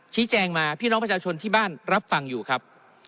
ชี้แจงมาพี่น้องประชาชนที่บ้านรับฟังอยู่ครับ